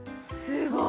すごい。